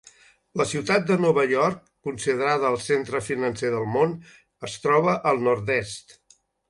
La ciutat de Nova York, considerada el centre financer del món, es troba al nord-est.